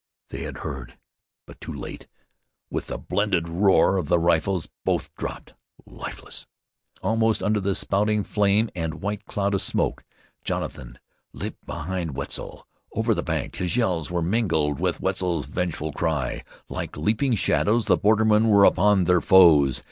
They had heard; but too late. With the blended roar of the rifles both dropped, lifeless. Almost under the spouting flame and white cloud of smoke, Jonathan leaped behind Wetzel, over the bank. His yells were mingled with Wetzel's vengeful cry. Like leaping shadows the bordermen were upon their foes.